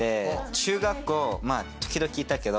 中学校まぁ時々いたけど。